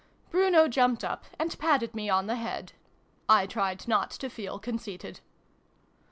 Bruno jumped up, and patted me on the head. I tried not to feel conceited.